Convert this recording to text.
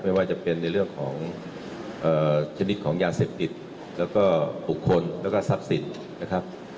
ไม่ว่าจะเป็นในเรื่องของชนิดของยาเสพติดแล้วก็บุคคลแล้วก็ทรัพย์สินนะครับ